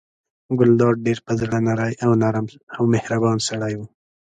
ګلداد ډېر په زړه نری او مهربان سړی و.